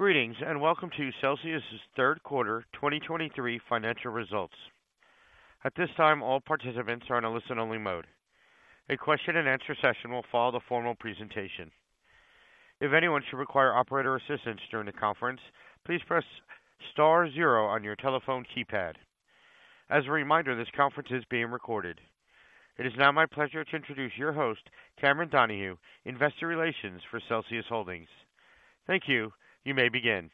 Greetings, and welcome to Celsius's Third Quarter 2023 Financial Results. At this time, all participants are in a listen-only mode. A question-and-answer session will follow the formal presentation. If anyone should require operator assistance during the conference, please press star zero on your telephone keypad. As a reminder, this conference is being recorded. It is now my pleasure to introduce your host, Cameron Donahue, Investor Relations for Celsius Holdings. Thank you. You may begin.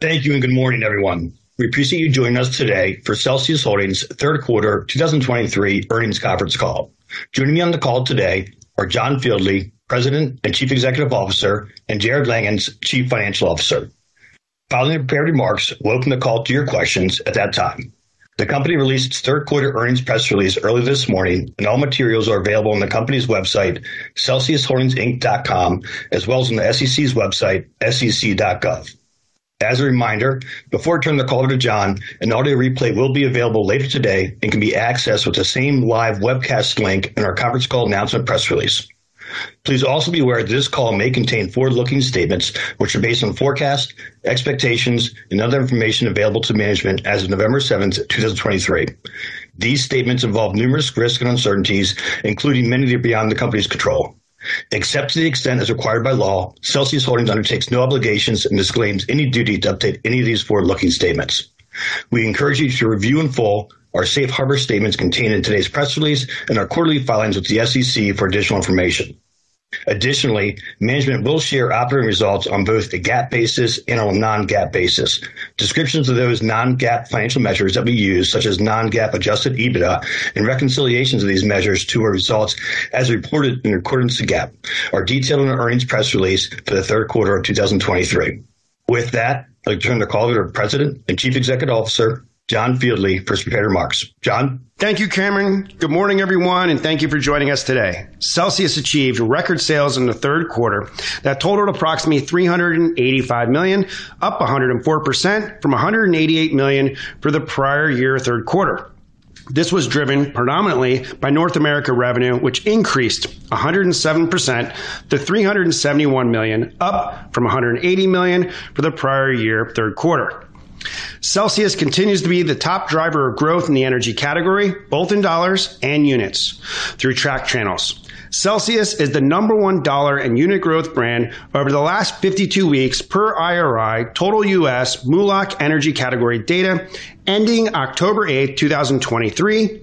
Thank you, and good morning, everyone. We appreciate you joining us today for Celsius Holdings' third quarter 2023 earnings conference call. Joining me on the call today are John Fieldly, President and Chief Executive Officer, and Jarrod Langhans, Chief Financial Officer. Following the prepared remarks, we'll open the call to your questions at that time. The company released its third quarter earnings press release early this morning, and all materials are available on the company's website, celsiusholdingsinc.com, as well as on the SEC's website, sec.gov. As a reminder, before I turn the call to John, an audio replay will be available later today and can be accessed with the same live webcast link in our conference call announcement press release. Please also be aware that this call may contain forward-looking statements, which are based on forecast, expectations, and other information available to management as of November 7th, 2023. These statements involve numerous risks and uncertainties, including many that are beyond the company's control. Except to the extent as required by law, Celsius Holdings undertakes no obligations and disclaims any duty to update any of these forward-looking statements. We encourage you to review in full our safe harbor statements contained in today's press release and our quarterly filings with the SEC for additional information. Additionally, management will share operating results on both the GAAP basis and on a non-GAAP basis. Descriptions of those non-GAAP financial measures that we use, such as non-GAAP adjusted EBITDA and reconciliations of these measures to our results as reported in accordance to GAAP, are detailed in our earnings press release for the third quarter of 2023. With that, I'll turn the call to our President and Chief Executive Officer, John Fieldly, for his prepared remarks. John? Thank you, Cameron. Good morning, everyone, and thank you for joining us today. Celsius achieved record sales in the third quarter that totaled approximately $385 million, up 104% from $188 million for the prior year, third quarter. This was driven predominantly by North America revenue, which increased 107%-$371 million, up from $180 million for the prior year, third quarter. Celsius continues to be the top driver of growth in the energy category, both in dollars and units through tracked channels. Celsius is the number one dollar and unit growth brand over the last 52 weeks per IRI, Total U.S. MULO Energy category data, ending October 8, 2023,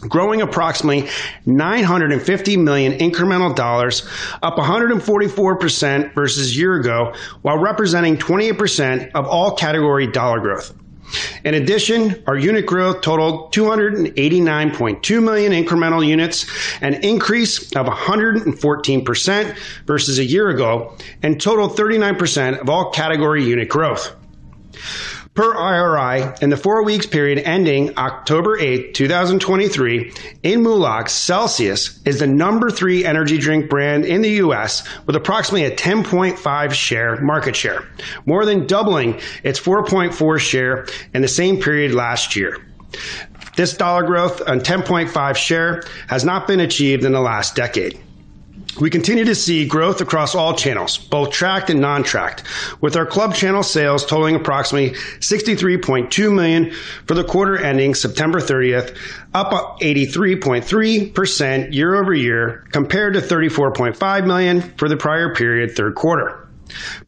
growing approximately $950 million incremental dollars, up 144% versus year ago, while representing 28% of all category dollar growth. In addition, our unit growth totaled 289.2 million incremental units, an increase of 114% versus a year ago, and totaled 39% of all category unit growth. Per IRI, in the 4 weeks period ending October 8, 2023, in MULO, Celsius is the number three energy drink brand in the U.S., with approximately a 10.5 share market share, more than doubling its 4.4 share in the same period last year. This dollar growth on 10.5% share has not been achieved in the last decade. We continue to see growth across all channels, both tracked and non-tracked, with our club channel sales totaling approximately $63.2 million for the quarter ending September 30th, up 83.3% year-over-year, compared to $34.5 million for the prior period, third quarter.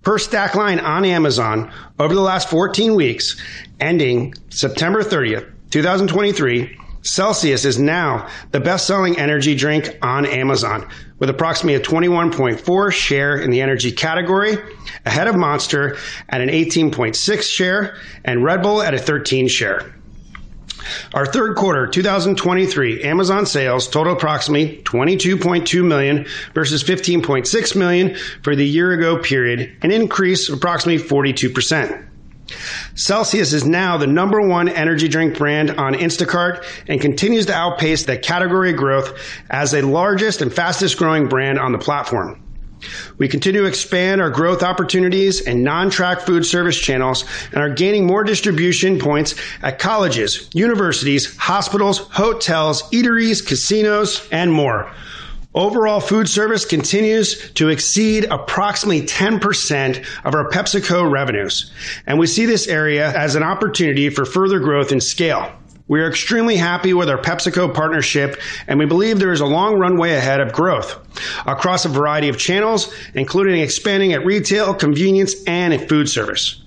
Per Stackline on Amazon, over the last 14 weeks, ending September 30th, 2023, Celsius is now the best-selling energy drink on Amazon, with approximately a 21.4% share in the energy category, ahead of Monster at an 18.6% share and Red Bull at a 13% share. Our third quarter, 2023, Amazon sales total approximately $22.2 million versus $15.6 million for the year-ago period, an increase of approximately 42%. Celsius is now the number one energy drink brand on Instacart and continues to outpace the category growth as the largest and fastest-growing brand on the platform. We continue to expand our growth opportunities and non-track food service channels and are gaining more distribution points at colleges, universities, hospitals, hotels, eateries, casinos, and more. Overall, food service continues to exceed approximately 10% of our PepsiCo revenues, and we see this area as an opportunity for further growth and scale. We are extremely happy with our PepsiCo partnership, and we believe there is a long runway ahead of growth across a variety of channels, including expanding at retail, convenience, and in food service.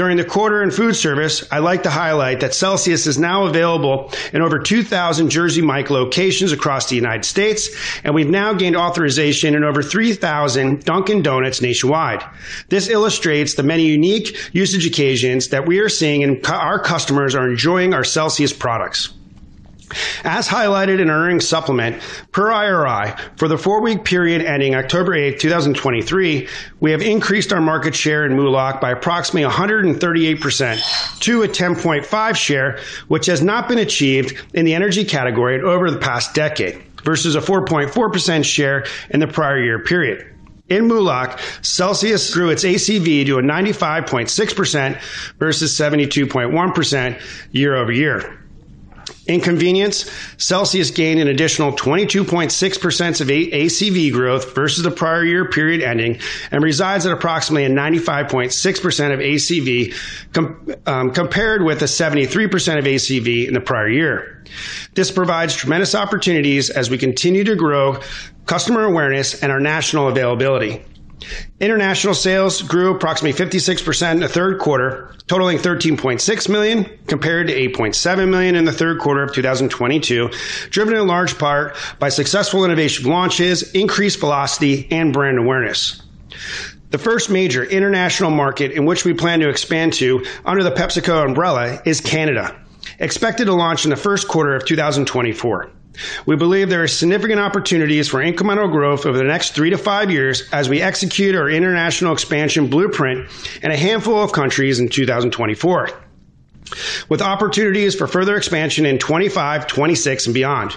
During the quarter in food service, I'd like to highlight that Celsius is now available in over 2,000 Jersey Mike's locations across the United States, and we've now gained authorization in over 3,000 Dunkin' Donuts nationwide. This illustrates the many unique usage occasions that we are seeing and our customers are enjoying our Celsius products. As highlighted in earnings supplement, per IRI, for the four-week period ending October 8, 2023, we have increased our market share in MULO by approximately 138% to a 10.5 share, which has not been achieved in the energy category over the past decade, versus a 4.4% share in the prior year period. In MULO, Celsius grew its ACV to a 95.6% versus 72.1% year-over-year.... In convenience, Celsius gained an additional 22.6% of ACV growth versus the prior year period ending and resides at approximately a 95.6% of ACV, compared with a 73% of ACV in the prior year. This provides tremendous opportunities as we continue to grow customer awareness and our national availability. International sales grew approximately 56% in the third quarter, totaling $13.6 million, compared to $8.7 million in the third quarter of 2022, driven in large part by successful innovation launches, increased velocity, and brand awareness. The first major international market in which we plan to expand to under the PepsiCo umbrella is Canada, expected to launch in the first quarter of 2024. We believe there are significant opportunities for incremental growth over the next 3-5 years as we execute our international expansion blueprint in a handful of countries in 2024, with opportunities for further expansion in 2025, 2026, and beyond.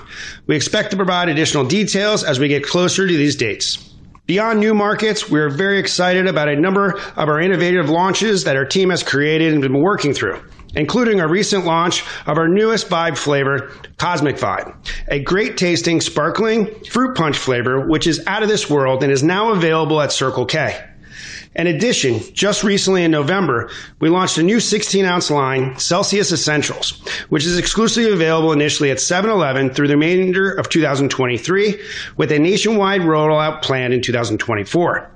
We expect to provide additional details as we get closer to these dates. Beyond new markets, we are very excited about a number of our innovative launches that our team has created and been working through, including our recent launch of our newest Vibe flavor, Cosmic Vibe, a great-tasting, sparkling fruit punch flavor, which is out of this world and is now available at Circle K. In addition, just recently in November, we launched a new 16-ounce line, Celsius Essentials, which is exclusively available initially at 7-Eleven through the remainder of 2023, with a nationwide rollout planned in 2024.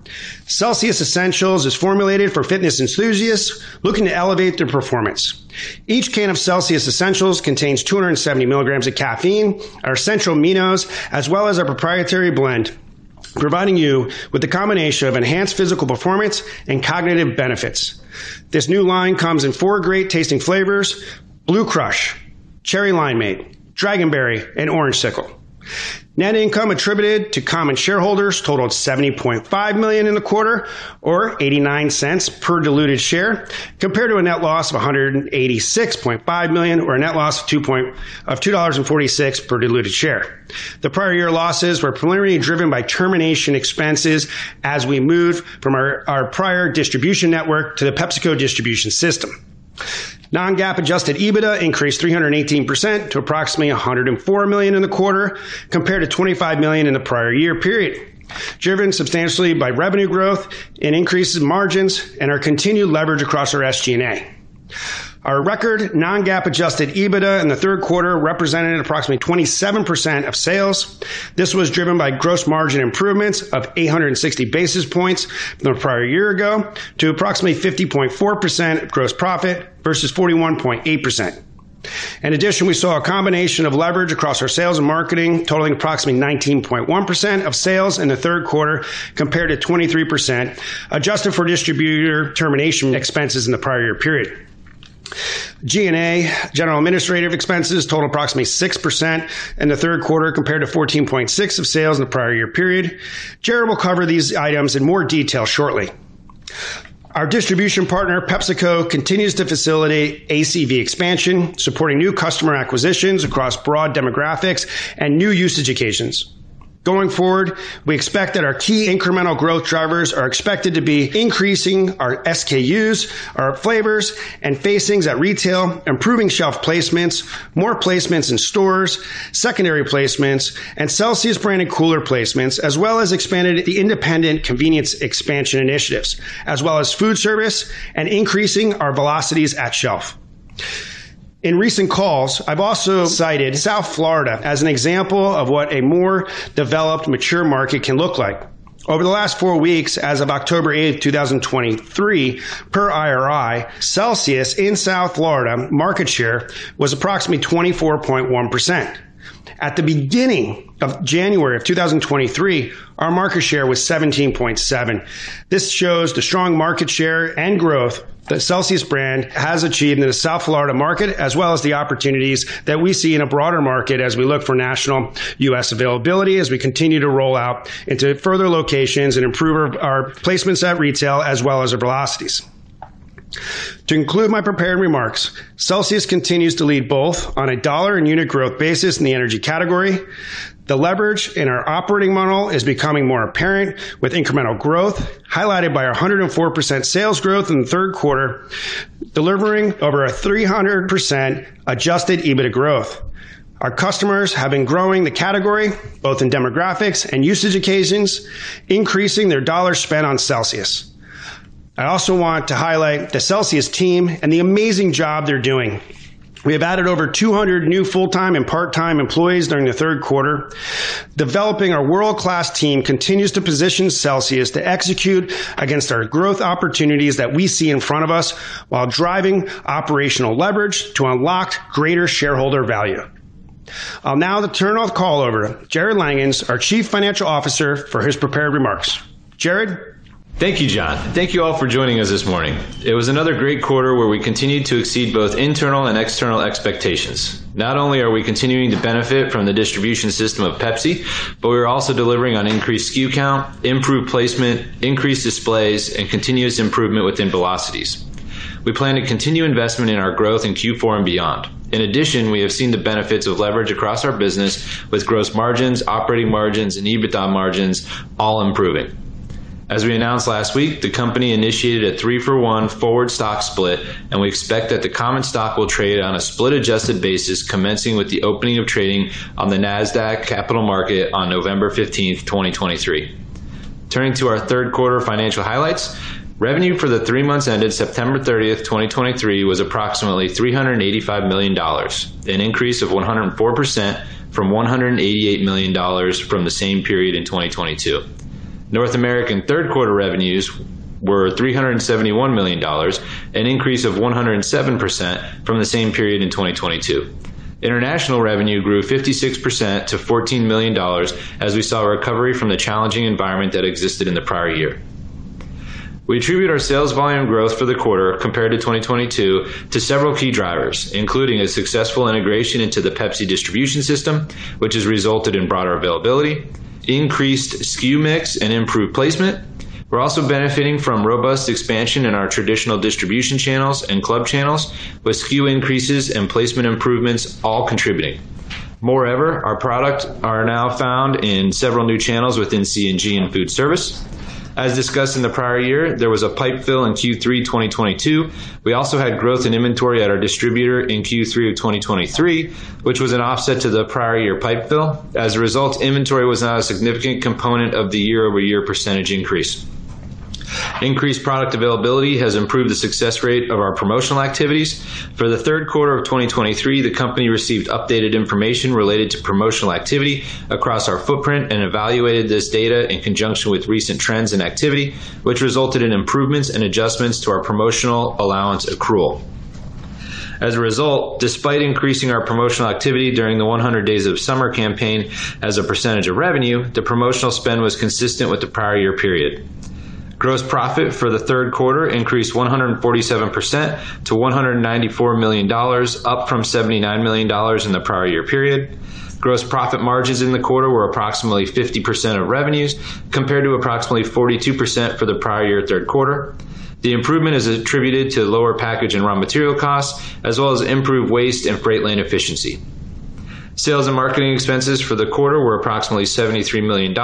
Celsius Essentials is formulated for fitness enthusiasts looking to elevate their performance. Each can of Celsius Essentials contains 270 milligrams of caffeine, our essential aminos, as well as our proprietary blend, providing you with a combination of enhanced physical performance and cognitive benefits. This new line comes in four great-tasting flavors: Blue Crush, Cherry Limeade, Dragonberry, and Orangesicle. Net income attributed to common shareholders totaled $70.5 million in the quarter, or $0.89 per diluted share, compared to a net loss of $186.5 million, or a net loss of $2.46 per diluted share. The prior year losses were primarily driven by termination expenses as we moved from our prior distribution network to the PepsiCo distribution system. Non-GAAP adjusted EBITDA increased 318% to approximately $104 million in the quarter, compared to $25 million in the prior year period, driven substantially by revenue growth and increases in margins and our continued leverage across our SG&A. Our record non-GAAP adjusted EBITDA in the third quarter represented approximately 27% of sales. This was driven by gross margin improvements of 860 basis points from the prior year ago to approximately 50.4% gross profit versus 41.8%. In addition, we saw a combination of leverage across our sales and marketing, totaling approximately 19.1% of sales in the third quarter, compared to 23%, adjusted for distributor termination expenses in the prior year period. G&A, general and administrative expenses, totaled approximately 6% in the third quarter, compared to 14.6% of sales in the prior year period. Jarrod will cover these items in more detail shortly. Our distribution partner, PepsiCo, continues to facilitate ACV expansion, supporting new customer acquisitions across broad demographics and new usage occasions. Going forward, we expect that our key incremental growth drivers are expected to be increasing our SKUs, our flavors, and facings at retail, improving shelf placements, more placements in stores, secondary placements, and Celsius-branded cooler placements, as well as expanded the independent convenience expansion initiatives, as well as food service and increasing our velocities at shelf. In recent calls, I've also cited South Florida as an example of what a more developed, mature market can look like. Over the last 4 weeks, as of October 8, 2023, per IRI, Celsius in South Florida market share was approximately 24.1%. At the beginning of January 2023, our market share was 17.7%. This shows the strong market share and growth the Celsius brand has achieved in the South Florida market, as well as the opportunities that we see in a broader market as we look for national U.S. availability, as we continue to roll out into further locations and improve our placements at retail as well as our velocities. To conclude my prepared remarks, Celsius continues to lead both on a dollar and unit growth basis in the energy category. The leverage in our operating model is becoming more apparent, with incremental growth highlighted by our 104% sales growth in the third quarter, delivering over a 300% Adjusted EBITDA growth. Our customers have been growing the category, both in demographics and usage occasions, increasing their dollar spend on Celsius. I also want to highlight the Celsius team and the amazing job they're doing. We have added over 200 new full-time and part-time employees during the third quarter. Developing our world-class team continues to position Celsius to execute against our growth opportunities that we see in front of us while driving operational leverage to unlock greater shareholder value. I'll now turn the call over to Jarrod Langhans, our Chief Financial Officer, for his prepared remarks. Jarrod? Thank you, John, and thank you all for joining us this morning. It was another great quarter where we continued to exceed both internal and external expectations. Not only are we continuing to benefit from the distribution system of Pepsi, but we are also delivering on increased SKU count, improved placement, increased displays, and continuous improvement within velocities. We plan to continue investment in our growth in Q4 and beyond. In addition, we have seen the benefits of leverage across our business with gross margins, operating margins, and EBITDA margins all improving. As we announced last week, the company initiated a three-for-one forward stock split, and we expect that the common stock will trade on a split-adjusted basis, commencing with the opening of trading on the Nasdaq Capital Market on November 15th, 2023. Turning to our third quarter financial highlights. Revenue for the three months ended September 30th, 2023, was approximately $385 million, an increase of 104% from $188 million from the same period in 2022. North American third quarter revenues were $371 million, an increase of 107% from the same period in 2022. International revenue grew 56%-$14 million, as we saw a recovery from the challenging environment that existed in the prior year. We attribute our sales volume growth for the quarter compared to 2022 to several key drivers, including a successful integration into the Pepsi distribution system, which has resulted in broader availability, increased SKU mix, and improved placement. We're also benefiting from robust expansion in our traditional distribution channels and club channels, with SKU increases and placement improvements, all contributing. Moreover, our products are now found in several new channels within C&G and food service. As discussed in the prior year, there was a pipe fill in Q3 2022. We also had growth in inventory at our distributor in Q3 of 2023, which was an offset to the prior year pipe fill. As a result, inventory was not a significant component of the year-over-year percentage increase. Increased product availability has improved the success rate of our promotional activities. For the third quarter of 2023, the company received updated information related to promotional activity across our footprint and evaluated this data in conjunction with recent trends and activity, which resulted in improvements and adjustments to our promotional allowance accrual. As a result, despite increasing our promotional activity during the 100 Days of Summer campaign as a percentage of revenue, the promotional spend was consistent with the prior year period. Gross profit for the third quarter increased 147%-$194 million, up from $79 million in the prior year period. Gross profit margins in the quarter were approximately 50% of revenues, compared to approximately 42% for the prior year third quarter. The improvement is attributed to lower package and raw material costs, as well as improved waste and freight lane efficiency. Sales and marketing expenses for the quarter were approximately $73 million,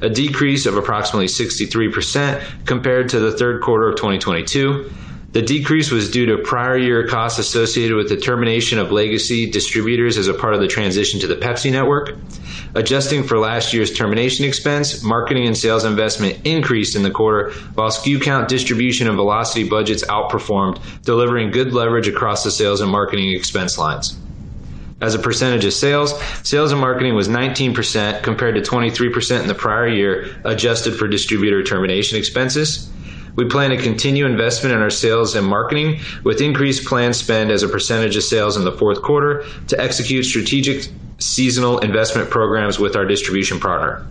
a decrease of approximately 63% compared to the third quarter of 2022. The decrease was due to prior year costs associated with the termination of legacy distributors as a part of the transition to the Pepsi network. Adjusting for last year's termination expense, marketing and sales investment increased in the quarter, while SKU count, distribution, and velocity budgets outperformed, delivering good leverage across the sales and marketing expense lines. As a percentage of sales, sales and marketing was 19%, compared to 23% in the prior year, adjusted for distributor termination expenses. We plan to continue investment in our sales and marketing, with increased planned spend as a percentage of sales in the fourth quarter to execute strategic seasonal investment programs with our distribution partner.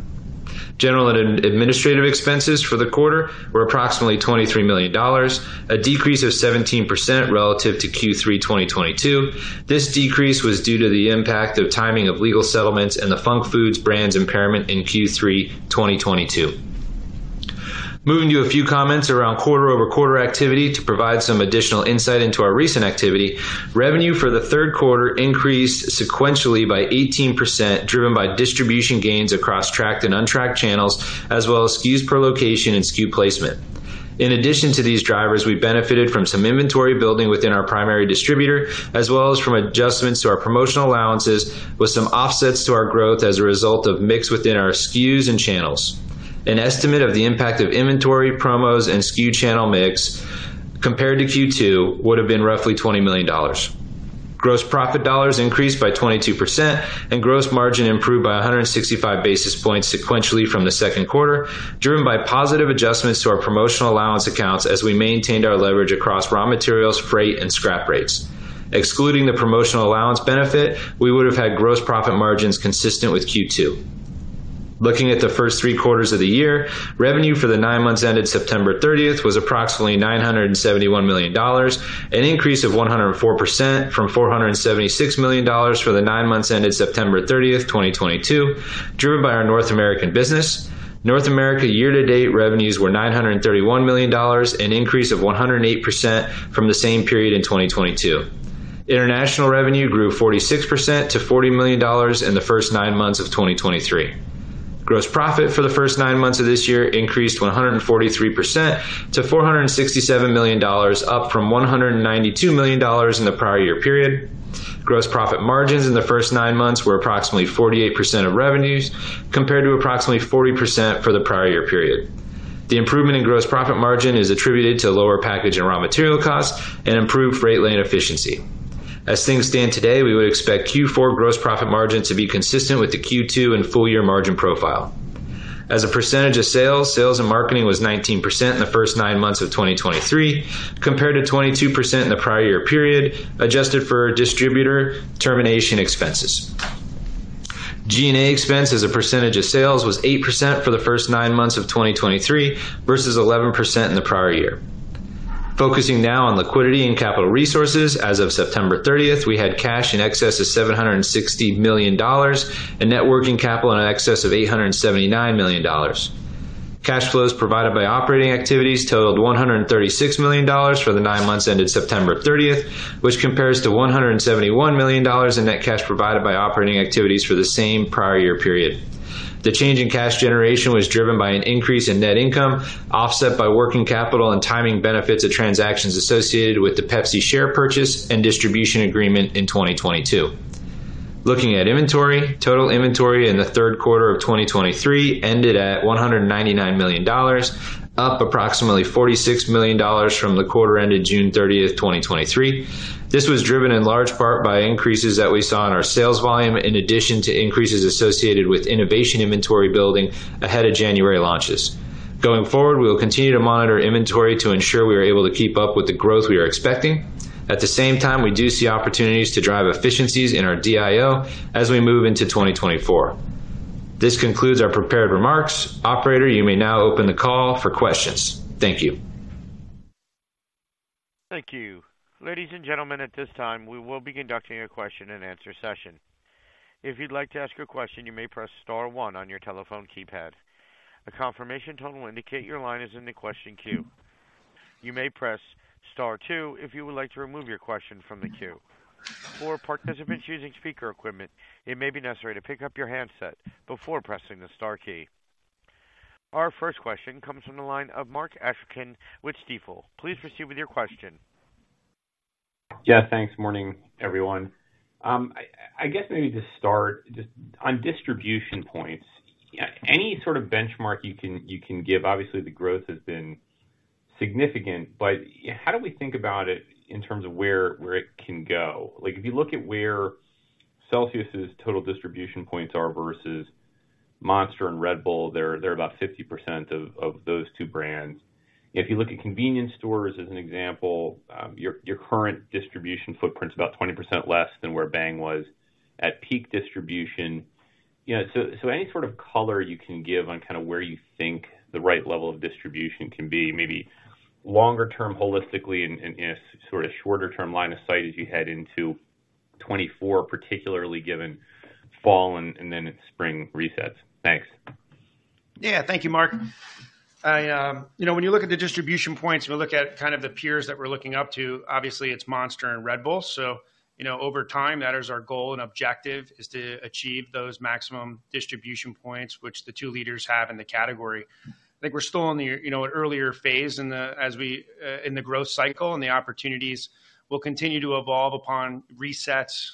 General and administrative expenses for the quarter were approximately $23 million, a decrease of 17% relative to Q3 2022. This decrease was due to the impact of timing of legal settlements and the Func Food's brands impairment in Q3 2022. Moving to a few comments around quarter-over-quarter activity to provide some additional insight into our recent activity. Revenue for the third quarter increased sequentially by 18%, driven by distribution gains across tracked and untracked channels, as well as SKUs per location and SKU placement. In addition to these drivers, we benefited from some inventory building within our primary distributor, as well as from adjustments to our promotional allowances, with some offsets to our growth as a result of mix within our SKUs and channels. An estimate of the impact of inventory, promos, and SKU channel mix compared to Q2, would have been roughly $20 million. Gross profit dollars increased by 22%, and gross margin improved by 165 basis points sequentially from the second quarter, driven by positive adjustments to our promotional allowance accounts as we maintained our leverage across raw materials, freight, and scrap rates. Excluding the promotional allowance benefit, we would have had gross profit margins consistent with Q2. Looking at the first three quarters of the year, revenue for the nine months ended September 30th was approximately $971 million, an increase of 104% from $476 million for the nine months ended September 30th, 2022, driven by our North American business. North America year-to-date revenues were $931 million, an increase of 108% from the same period in 2022. International revenue grew 46%-$40 million in the first nine months of 2023. Gross profit for the first nine months of this year increased 143%-$467 million, up from $192 million in the prior year period. Gross profit margins in the first nine months were approximately 48% of revenues, compared to approximately 40% for the prior year period. The improvement in gross profit margin is attributed to lower package and raw material costs and improved freight lane efficiency. As things stand today, we would expect Q4 gross profit margin to be consistent with the Q2 and full year margin profile. As a percentage of sales, sales and marketing was 19% in the first nine months of 2023, compared to 22% in the prior year period, adjusted for distributor termination expenses. G&A expense as a percentage of sales was 8% for the first nine months of 2023 versus 11% in the prior year. Focusing now on liquidity and capital resources. As of September thirtieth, we had cash in excess of $760 million and net working capital in excess of $879 million. Cash flows provided by operating activities totaled $136 million for the nine months ended September thirtieth, which compares to $171 million in net cash provided by operating activities for the same prior year period. The change in cash generation was driven by an increase in net income, offset by working capital and timing benefits of transactions associated with the Pepsi share purchase and distribution agreement in 2022. Looking at inventory, total inventory in the third quarter of 2023 ended at $199 million, up approximately $46 million from the quarter ended June 30th, 2023. This was driven in large part by increases that we saw in our sales volume, in addition to increases associated with innovation inventory building ahead of January launches. Going forward, we will continue to monitor inventory to ensure we are able to keep up with the growth we are expecting. At the same time, we do see opportunities to drive efficiencies in our DIO as we move into 2024. This concludes our prepared remarks. Operator, you may now open the call for questions. Thank you. Thank you. Ladies and gentlemen, at this time, we will be conducting a question-and-answer session. If you'd like to ask a question, you may press star one on your telephone keypad. A confirmation tone will indicate your line is in the question queue. You may press star two if you would like to remove your question from the queue. For participants using speaker equipment, it may be necessary to pick up your handset before pressing the star key. Our first question comes from the line of Mark Astrachan with Stifel. Please proceed with your question. Yeah, thanks. Morning, everyone. I guess maybe to start, just on distribution points, any sort of benchmark you can give? Obviously, the growth has been significant, but how do we think about it in terms of where it can go? Like, if you look at where Celsius' total distribution points are versus Monster and Red Bull, they're about 50% of those two brands. If you look at convenience stores as an example, your current distribution footprint is about 20% less than where Bang was at peak distribution. You know, so, so any sort of color you can give on kind of where you think the right level of distribution can be, maybe longer term, holistically and, and in a sort of shorter term line of sight as you head into 2024, particularly given fall and, and then spring resets? Thanks. Yeah. Thank you, Mark. I, you know, when you look at the distribution points, we look at kind of the peers that we're looking up to. Obviously, it's Monster and Red Bull. So, you know, over time, that is our goal, and objective is to achieve those maximum distribution points, which the two leaders have in the category. I think we're still in the, you know, an earlier phase in the, as we in the growth cycle, and the opportunities will continue to evolve upon resets,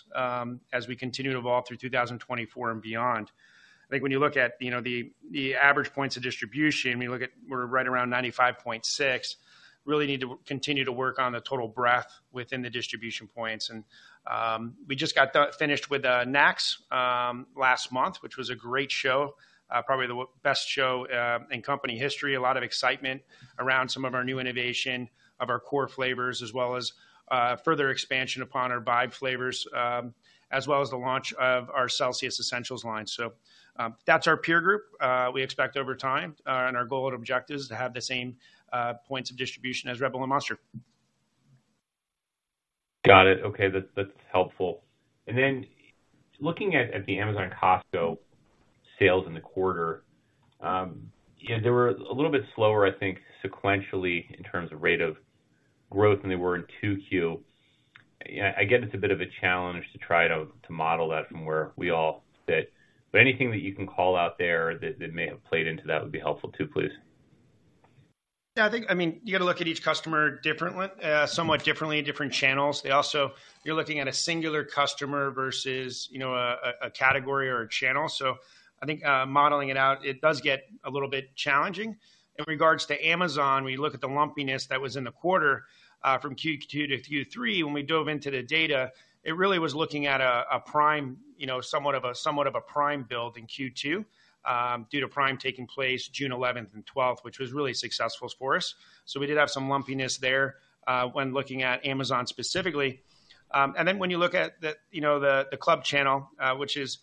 as we continue to evolve through 2024 and beyond. I think when you look at, you know, the, the average points of distribution, when you look at we're right around 95.6, really need to continue to work on the total breadth within the distribution points. We just got done, finished with NACS last month, which was a great show, probably the best show in company history. A lot of excitement around some of our new innovation of our core flavors, as well as further expansion upon our VIBE flavors, as well as the launch of our Celsius Essentials line. So, that's our peer group. We expect over time, and our goal and objective is to have the same points of distribution as Red Bull and Monster. Got it. Okay, that's helpful. And then looking at the Amazon and Costco sales in the quarter, you know, they were a little bit slower, I think, sequentially, in terms of rate of growth than they were in 2Q. I get it's a bit of a challenge to try to model that from where we all sit, but anything that you can call out there that may have played into that would be helpful too, please. Yeah, I think, I mean, you got to look at each customer differently, somewhat differently in different channels. They also... You're looking at a singular customer versus, you know, a category or a channel. So I think, modeling it out, it does get a little bit challenging. In regards to Amazon, when you look at the lumpiness that was in the quarter, from Q2-Q3, when we dove into the data, it really was looking at a Prime, you know, somewhat of a Prime build in Q2, due to Prime taking place June eleventh and twelfth, which was really successful for us. So we did have some lumpiness there, when looking at Amazon specifically. Then when you look at the, you know, the club channel, which is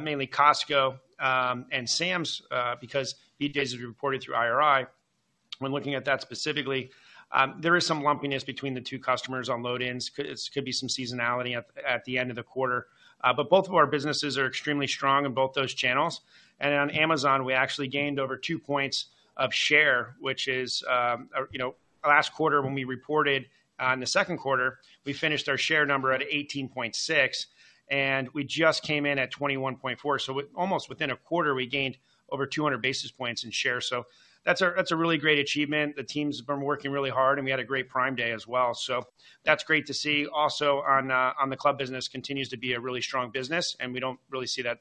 mainly Costco and Sam's, because these days we reported through IRI. When looking at that specifically, there is some lumpiness between the two customers on load-ins. This could be some seasonality at the end of the quarter. But both of our businesses are extremely strong in both those channels. And on Amazon, we actually gained over 2 points of share, which is, you know, last quarter, when we reported on the second quarter, we finished our share number at 18.6, and we just came in at 21.4. So almost within a quarter, we gained over 200 basis points in share. So that's a really great achievement. The teams have been working really hard, and we had a great Prime Day as well, so that's great to see. Also on, on the club business continues to be a really strong business, and we don't really see that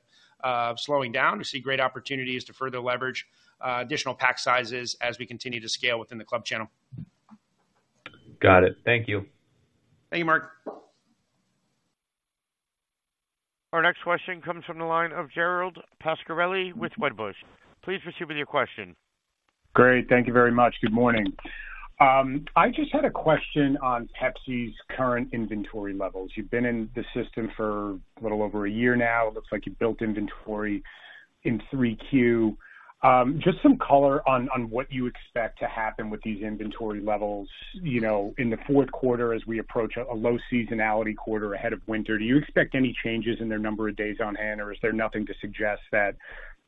slowing down. We see great opportunities to further leverage additional pack sizes as we continue to scale within the club channel. Got it. Thank you. Thank you, Mark. Our next question comes from the line of Gerald Pascarelli with Wedbush. Please proceed with your question. Great. Thank you very much. Good morning. I just had a question on Pepsi's current inventory levels. You've been in the system for a little over a year now. It looks like you've built inventory in Q3. Just some color on what you expect to happen with these inventory levels, you know, in the fourth quarter as we approach a low seasonality quarter ahead of winter. Do you expect any changes in their number of days on hand, or is there nothing to suggest that,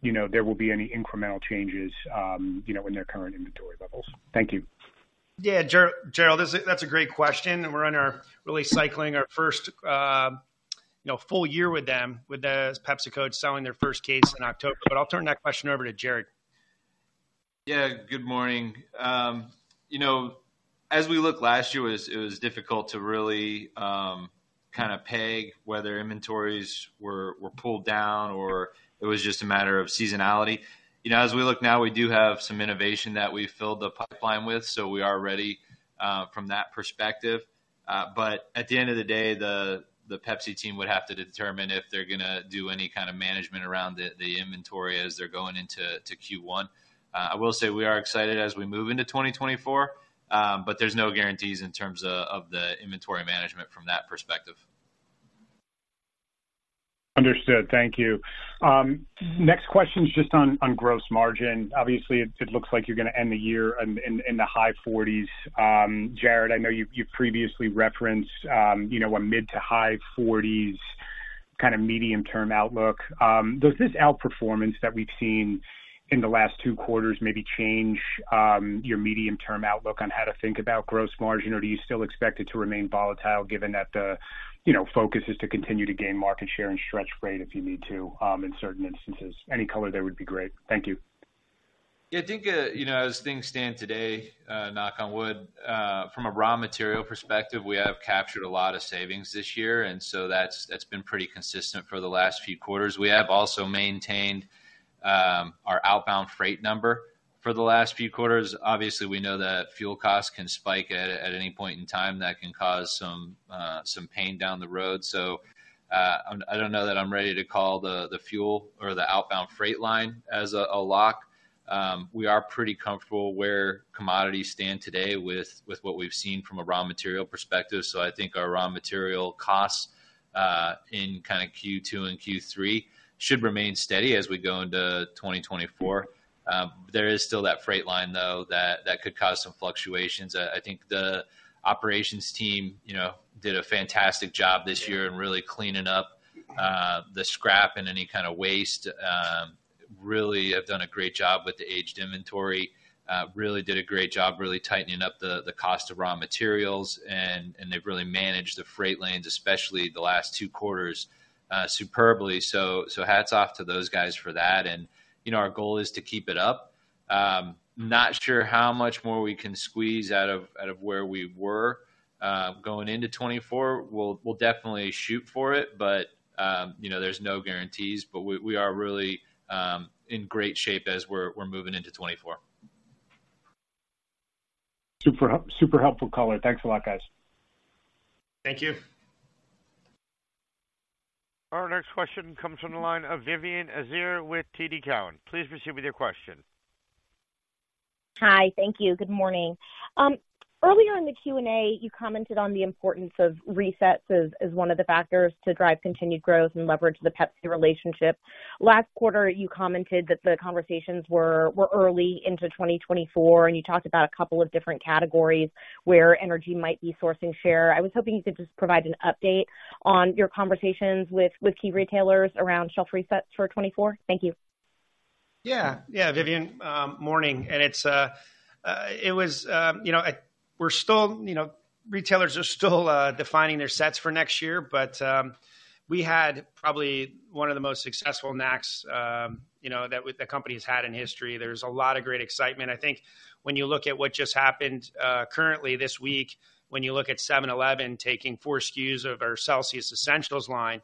you know, there will be any incremental changes, you know, in their current inventory levels? Thank you.... Yeah, Gerald, that's a great question, and we're really cycling our first, you know, full year with them, with the PepsiCo selling their first case in October. But I'll turn that question over to Jarrod. Yeah, good morning. You know, as we look last year, it was, it was difficult to really, kind of peg whether inventories were, were pulled down or it was just a matter of seasonality. You know, as we look now, we do have some innovation that we've filled the pipeline with, so we are ready, from that perspective. But at the end of the day, the, the Pepsi team would have to determine if they're gonna do any kind of management around the, the inventory as they're going into Q1. I will say we are excited as we move into 2024, but there's no guarantees in terms of, of the inventory management from that perspective. Understood. Thank you. Next question is just on gross margin. Obviously, it looks like you're gonna end the year in the high 40s%. Jarrod, I know you've previously referenced, you know, a mid- to high 40s% kind of medium-term outlook. Does this outperformance that we've seen in the last two quarters maybe change your medium-term outlook on how to think about gross margin, or do you still expect it to remain volatile, given that, you know, the focus is to continue to gain market share and stretch rate, if you need to, in certain instances? Any color there would be great. Thank you. Yeah, I think, you know, as things stand today, knock on wood, from a raw material perspective, we have captured a lot of savings this year, and so that's, that's been pretty consistent for the last few quarters. We have also maintained our outbound freight number for the last few quarters. Obviously, we know that fuel costs can spike at any point in time. That can cause some some pain down the road. So, I, I don't know that I'm ready to call the the fuel or the outbound freight line as a a lock. We are pretty comfortable where commodities stand today with what we've seen from a raw material perspective. So I think our raw material costs in kind of Q2 and Q3 should remain steady as we go into 2024. There is still that freight line, though, that could cause some fluctuations. I think the operations team, you know, did a fantastic job this year in really cleaning up the scrap and any kind of waste. Really have done a great job with the aged inventory. Really did a great job really tightening up the cost of raw materials, and they've really managed the freight lanes, especially the last two quarters, superbly. So hats off to those guys for that. And, you know, our goal is to keep it up. Not sure how much more we can squeeze out of where we were going into 2024. We'll definitely shoot for it, but, you know, there's no guarantees. But we are really in great shape as we're moving into 2024. Super, super helpful color. Thanks a lot, guys. Thank you. Our next question comes from the line of Vivien Azer with TD Cowen. Please proceed with your question. Hi. Thank you. Good morning. Earlier in the Q&A, you commented on the importance of resets as one of the factors to drive continued growth and leverage the Pepsi relationship. Last quarter, you commented that the conversations were early into 2024, and you talked about a couple of different categories where energy might be sourcing share. I was hoping you could just provide an update on your conversations with key retailers around shelf resets for 2024. Thank you. Yeah. Yeah, Vivien, morning. And it's, you know, we're still, you know, retailers are still defining their sets for next year, but we had probably one of the most successful NACS, you know, that the company has had in history. There's a lot of great excitement. I think when you look at what just happened, currently this week, when you look at 7-Eleven taking four SKUs of our Celsius Essentials line,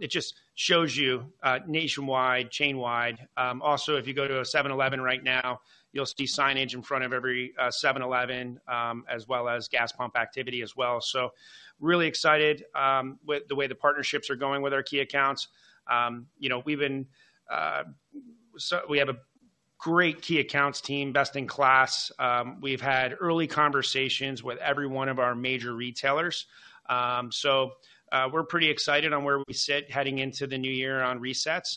it just shows you nationwide, chain-wide. Also, if you go to a 7-Eleven right now, you'll see signage in front of every 7-Eleven, as well as gas pump activity as well. So really excited with the way the partnerships are going with our key accounts. You know, we've been... So we have a great key accounts team, best in class. We've had early conversations with every one of our major retailers. So, we're pretty excited on where we sit heading into the new year on resets.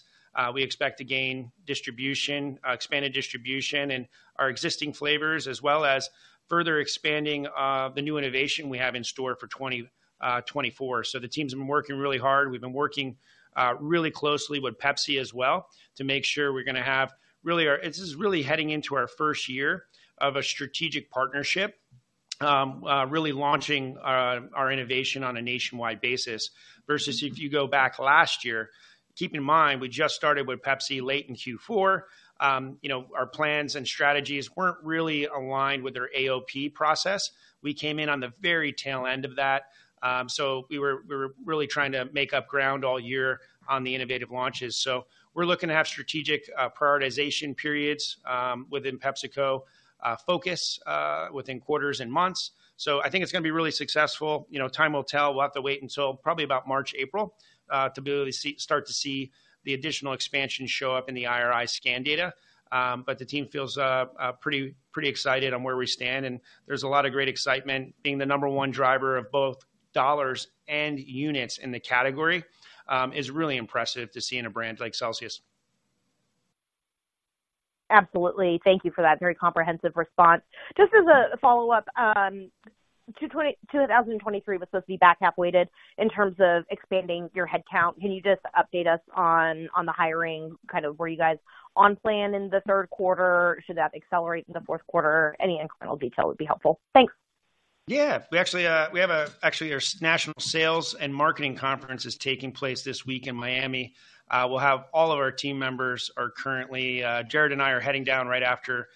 We expect to gain distribution, expanded distribution in our existing flavors, as well as further expanding the new innovation we have in store for 2024. So the team's been working really hard. We've been working really closely with Pepsi as well to make sure we're gonna have really our - this is really heading into our first year of a strategic partnership, really launching our innovation on a nationwide basis, versus if you go back last year, keep in mind, we just started with Pepsi late in Q4. You know, our plans and strategies weren't really aligned with their AOP process. We came in on the very tail end of that, so we were really trying to make up ground all year on the innovative launches. So we're looking to have strategic prioritization periods within PepsiCo focus within quarters and months. So I think it's gonna be really successful. You know, time will tell. We'll have to wait until probably about March, April, to be able to start to see the additional expansion show up in the IRI scan data. But the team feels pretty, pretty excited on where we stand, and there's a lot of great excitement. Being the number one driver of both dollars and units in the category is really impressive to see in a brand like Celsius. Absolutely. Thank you for that very comprehensive response. Just as a follow-up, 2023 was supposed to be back-half weighted in terms of expanding your headcount. Can you just update us on the hiring, kind of were you guys on plan in the third quarter? Should that accelerate in the fourth quarter? Any incremental detail would be helpful. Thanks.... Yeah, we actually, we have actually, our national sales and marketing conference is taking place this week in Miami. We'll have all of our team members are currently, Jarrod and I are heading down right after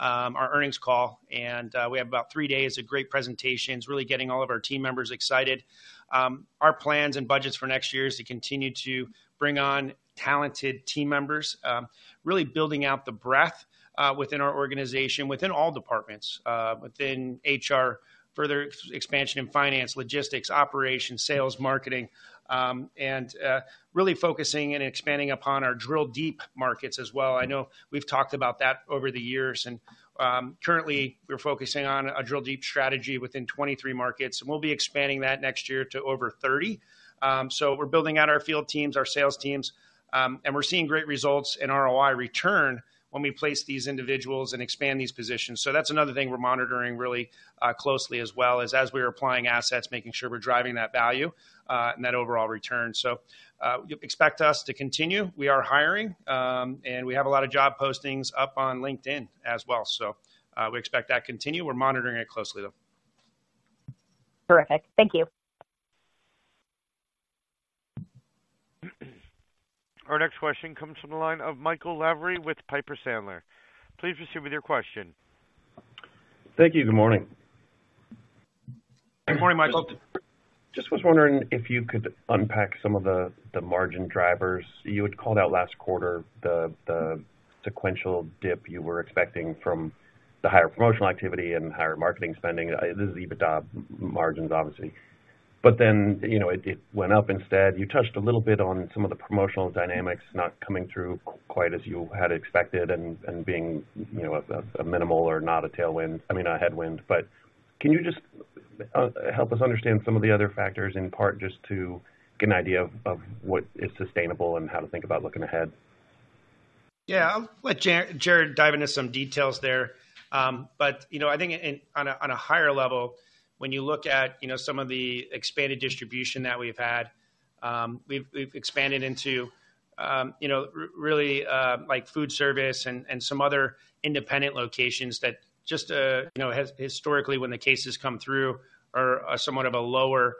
our earnings call, and we have about three days of great presentations, really getting all of our team members excited. Our plans and budgets for next year is to continue to bring on talented team members, really building out the breadth within our organization, within all departments, within HR, further expansion in finance, logistics, operations, sales, marketing, and really focusing and expanding upon our Drill Deep Markets as well. I know we've talked about that over the years, and currently, we're focusing on a drill deep strategy within 23 markets, and we'll be expanding that next year to over 30. So we're building out our field teams, our sales teams, and we're seeing great results in ROI return when we place these individuals and expand these positions. So that's another thing we're monitoring really closely as well: is as we are applying assets, making sure we're driving that value, and that overall return. So, you expect us to continue. We are hiring, and we have a lot of job postings up on LinkedIn as well. So, we expect that to continue. We're monitoring it closely, though. Terrific. Thank you. Our next question comes from the line of Michael Lavery with Piper Sandler. Please proceed with your question. Thank you. Good morning. Good morning, Michael. Just was wondering if you could unpack some of the margin drivers. You had called out last quarter the sequential dip you were expecting from the higher promotional activity and higher marketing spending. This is EBITDA margins, obviously. But then, you know, it went up instead. You touched a little bit on some of the promotional dynamics not coming through quite as you had expected and being, you know, a minimal or not a tailwind, I mean, a headwind. But can you just help us understand some of the other factors, in part, just to get an idea of what is sustainable and how to think about looking ahead? Yeah. I'll let Jarrod dive into some details there. But, you know, I think on a higher level, when you look at, you know, some of the expanded distribution that we've had, we've expanded into, you know, really, like food service and some other independent locations that just, you know, has historically, when the cases come through, are somewhat of a lower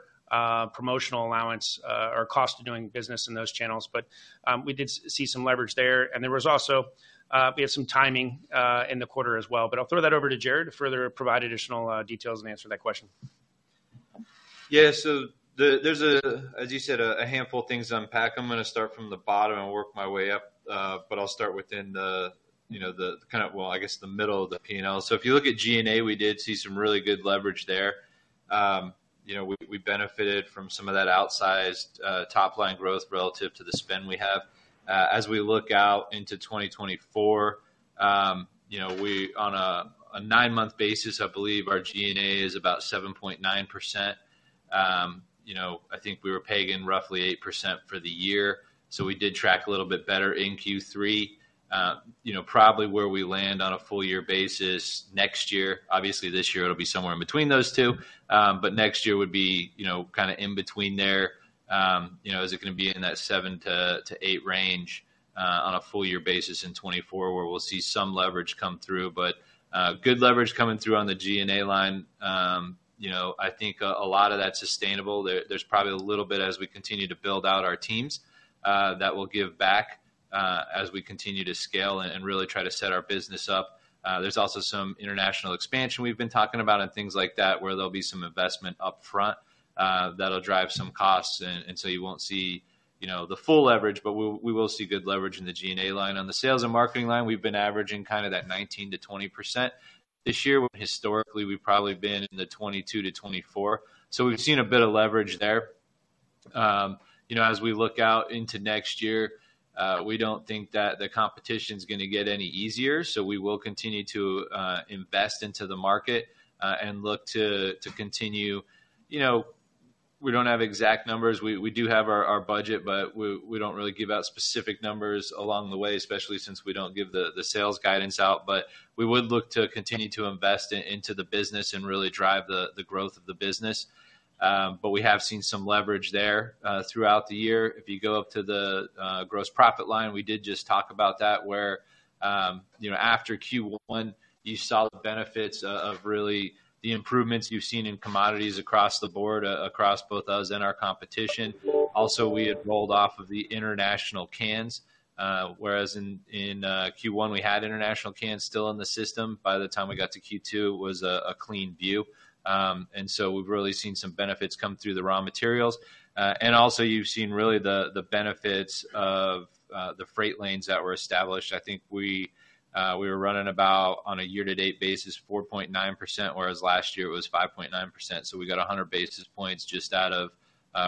promotional allowance or cost of doing business in those channels. But we did see some leverage there, and there was also... We had some timing in the quarter as well, but I'll throw that over to Jarrod to further provide additional details and answer that question. Yeah, so there's a, as you said, a handful of things to unpack. I'm gonna start from the bottom and work my way up, but I'll start within the, you know, the kind of... Well, I guess, the middle of the P&L. So if you look at G&A, we did see some really good leverage there. You know, we benefited from some of that outsized top-line growth relative to the spend we have. As we look out into 2024, you know, we on a 9-month basis, I believe our G&A is about 7.9%. You know, I think we were paying roughly 8% for the year, so we did track a little bit better in Q3. You know, probably where we land on a full year basis next year, obviously, this year, it'll be somewhere in between those two. But next year would be, you know, kinda in between there. You know, is it gonna be in that 7-8 range, on a full year basis in 2024, where we'll see some leverage come through? But, good leverage coming through on the G&A line. You know, I think, a lot of that's sustainable. There, there's probably a little bit as we continue to build out our teams, that will give back, as we continue to scale and, and really try to set our business up. There's also some international expansion we've been talking about and things like that, where there'll be some investment upfront that'll drive some costs, and so you won't see, you know, the full leverage, but we'll see good leverage in the G&A line. On the sales and marketing line, we've been averaging kind of that 19%-20%. This year, historically, we've probably been in the 22%-24%, so we've seen a bit of leverage there. You know, as we look out into next year, we don't think that the competition's gonna get any easier, so we will continue to invest into the market and look to continue. You know, we don't have exact numbers. We do have our budget, but we don't really give out specific numbers along the way, especially since we don't give the sales guidance out. But we would look to continue to invest into the business and really drive the growth of the business. But we have seen some leverage there throughout the year. If you go up to the gross profit line, we did just talk about that, where you know, after Q1, you saw the benefits of really the improvements you've seen in commodities across the board, across both us and our competition. Also, we had rolled off of the international cans, whereas in Q1, we had international cans still in the system. By the time we got to Q2, it was a clean view. And so we've really seen some benefits come through the raw materials. And also, you've seen really the benefits of the freight lanes that were established. I think we were running about, on a year-to-date basis, 4.9%, whereas last year it was 5.9%. So we got 100 basis points just out of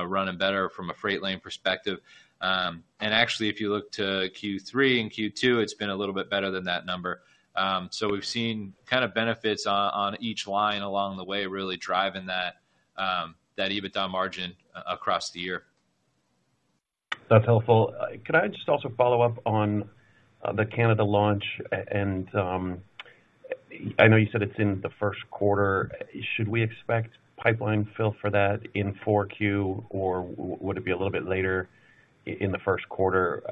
running better from a freight lane perspective. And actually, if you look to Q3 and Q2, it's been a little bit better than that number. So we've seen kind of benefits on each line along the way, really driving that EBITDA margin across the year. That's helpful. Could I just also follow up on the Canada launch? And I know you said it's in the first quarter. Should we expect-... pipeline fill for that in 4Q, or would it be a little bit later in the first quarter?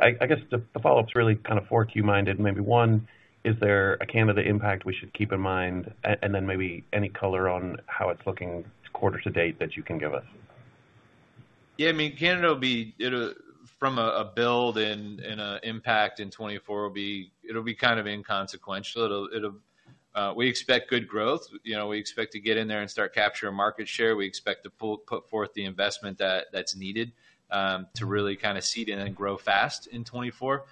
I guess the follow-up's really kind of 4Q-minded. Maybe one, is there a Canada impact we should keep in mind? And then maybe any color on how it's looking quarter to date that you can give us? Yeah, I mean, Canada will be. It'll—from a build and impact in 2024 will be, it'll be kind of inconsequential. It'll, we expect good growth. You know, we expect to get in there and start capturing market share. We expect to put forth the investment that's needed to really kind of seed in and grow fast in 2024.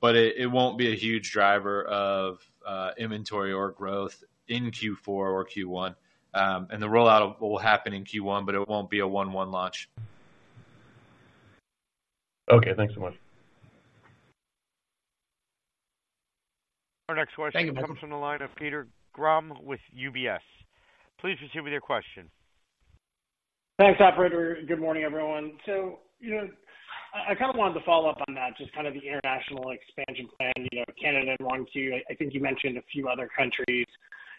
But it won't be a huge driver of inventory or growth in Q4 or Q1. And the rollout will happen in Q1, but it won't be a one-one launch. Okay, thanks so much. Our next question- Thank you. comes from the line of Peter Grom with UBS. Please proceed with your question. Thanks, operator, and good morning, everyone. So, you know, I, I kind of wanted to follow up on that, just kind of the international expansion plan, you know, Canada in Q1. I, I think you mentioned a few other countries.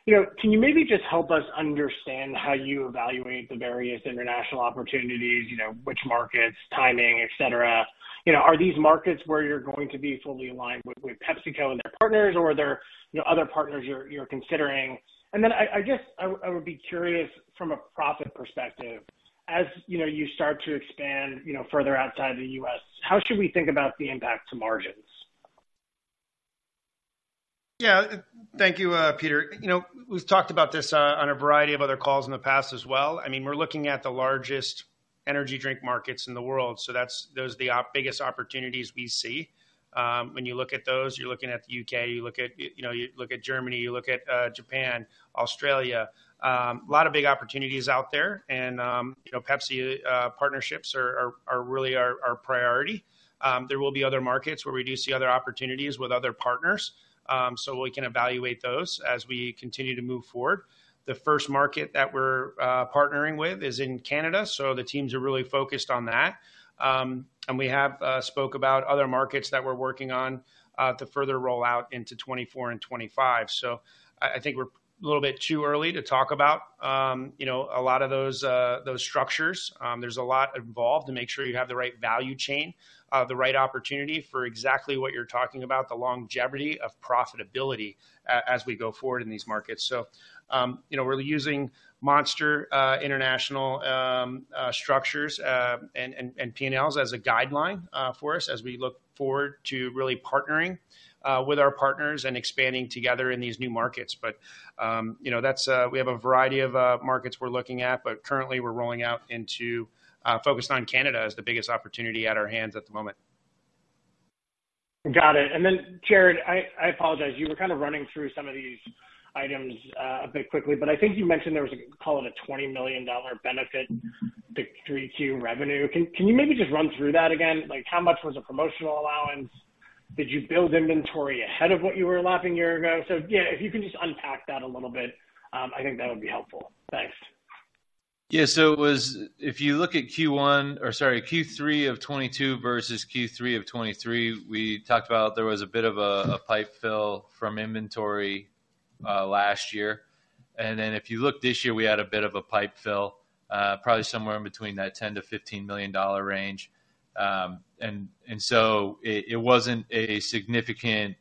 You know, can you maybe just help us understand how you evaluate the various international opportunities, you know, which markets, timing, et cetera? You know, are these markets where you're going to be fully aligned with, with PepsiCo and their partners, or are there, you know, other partners you're, you're considering? And then I, I guess I, I would be curious from a profit perspective, as, you know, you start to expand, you know, further outside the U.S., how should we think about the impact to margins? Yeah. Thank you, Peter. You know, we've talked about this on a variety of other calls in the past as well. I mean, we're looking at the largest energy drink markets in the world, so that's those are the biggest opportunities we see. When you look at those, you're looking at the U.K., you look at, you know, you look at Germany, you look at Japan, Australia. A lot of big opportunities out there. And, you know, Pepsi partnerships are, are, are really our, our priority. There will be other markets where we do see other opportunities with other partners, so we can evaluate those as we continue to move forward. The first market that we're partnering with is in Canada, so the teams are really focused on that. And we have spoke about other markets that we're working on to further roll out into 2024 and 2025. So I think we're a little bit too early to talk about, you know, a lot of those structures. There's a lot involved to make sure you have the right value chain, the right opportunity for exactly what you're talking about, the longevity of profitability as we go forward in these markets. So, you know, we're using Monster international structures and P&Ls as a guideline for us as we look forward to really partnering with our partners and expanding together in these new markets. But, you know, that's... We have a variety of markets we're looking at, but currently we're rolling out into, focused on Canada as the biggest opportunity at our hands at the moment. Got it. Then, Jarrod, I apologize, you were kind of running through some of these items a bit quickly, but I think you mentioned there was a, call it a $20 million benefit to Q3 revenue. Can you maybe just run through that again? Like, how much was a promotional allowance? Did you build inventory ahead of what you were last year ago? So, yeah, if you can just unpack that a little bit, I think that would be helpful. Thanks. Yeah, so it was. If you look at Q1, or sorry, Q3 of 2022 versus Q3 of 2023, we talked about there was a bit of a pipe fill from inventory last year. And then if you look this year, we had a bit of a pipe fill, probably somewhere in between that $10-$15 million range. And so it wasn't a significant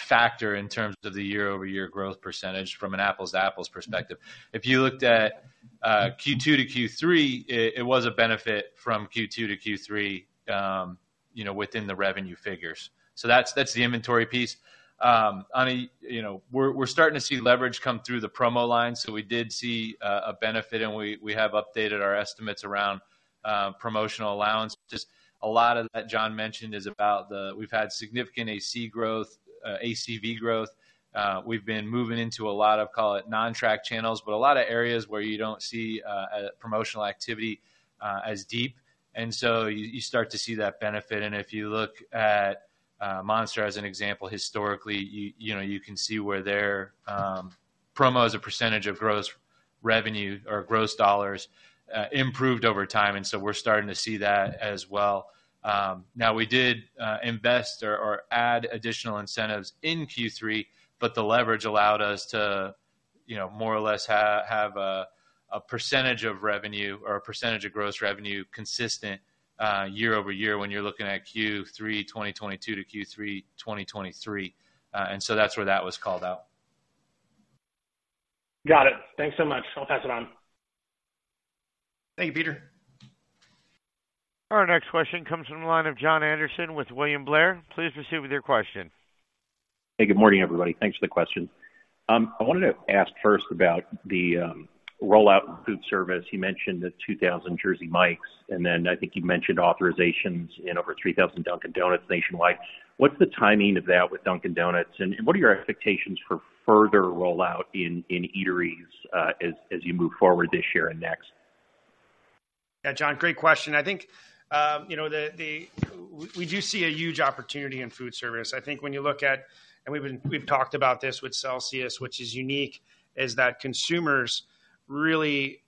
factor in terms of the year-over-year growth percentage from an apples to apples perspective. If you looked at Q2 to Q3, it was a benefit from Q2-Q3, you know, within the revenue figures. So that's the inventory piece. On a-- you know, we're, we're starting to see leverage come through the promo line, so we did see a benefit, and we, we have updated our estimates around promotional allowance. Just a lot of that John mentioned is about the... We've had significant AC growth, ACV growth. We've been moving into a lot of, call it, non-track channels, but a lot of areas where you don't see promotional activity as deep, and so you, you start to see that benefit. And if you look at Monster, as an example, historically, you, you know, you can see where their promo as a percentage of gross revenue or gross dollars improved over time, and so we're starting to see that as well. Now, we did invest or add additional incentives in Q3, but the leverage allowed us to, you know, more or less, have a percentage of revenue or a percentage of gross revenue consistent year-over-year when you're looking at Q3 2022-Q3 2023. And so that's where that was called out. Got it. Thanks so much. I'll pass it on. Thank you, Peter. Our next question comes from the line of Jon Andersen with William Blair. Please proceed with your question. Hey, good morning, everybody. Thanks for the question. I wanted to ask first about the rollout food service. You mentioned the 2,000 Jersey Mike's, and then I think you mentioned authorizations in over 3,000 Dunkin' Donuts nationwide. What's the timing of that with Dunkin' Donuts, and, and what are your expectations for further rollout in eateries as you move forward this year and next? Yeah, Jon, great question. I think, you know, we do see a huge opportunity in food service. I think when you look at, we've talked about this with Celsius, which is unique, is that consumers-... really,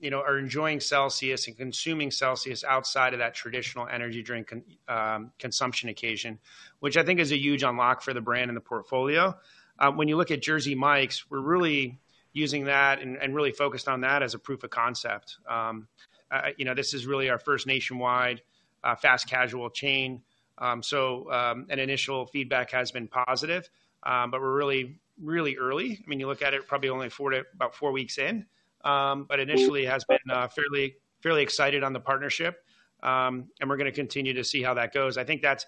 you know, are enjoying Celsius and consuming Celsius outside of that traditional energy drink consumption occasion, which I think is a huge unlock for the brand and the portfolio. When you look at Jersey Mike's, we're really using that and really focused on that as a proof of concept. You know, this is really our first nationwide fast casual chain. So, and initial feedback has been positive, but we're really, really early. I mean, you look at it, probably only about four weeks in. But initially has been fairly excited on the partnership, and we're gonna continue to see how that goes. I think that's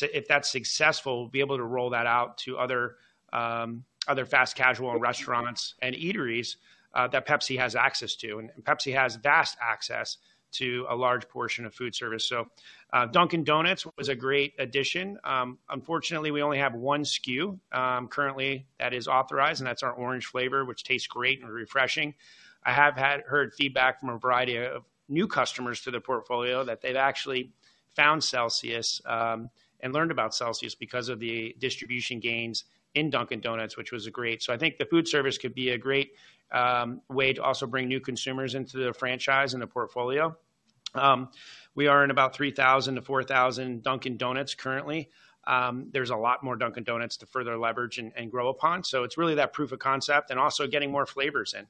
if that's successful, we'll be able to roll that out to other fast casual restaurants and eateries that Pepsi has access to. Pepsi has vast access to a large portion of food service. So, Dunkin' Donuts was a great addition. Unfortunately, we only have one SKU currently that is authorized, and that's our orange flavor, which tastes great and refreshing. I have heard feedback from a variety of new customers to the portfolio that they've actually found Celsius and learned about Celsius because of the distribution gains in Dunkin' Donuts, which was great. So I think the food service could be a great way to also bring new consumers into the franchise and the portfolio. We are in about 3,000-4,000 Dunkin' Donuts currently. There's a lot more Dunkin' Donuts to further leverage and grow upon. So it's really that proof of concept and also getting more flavors in.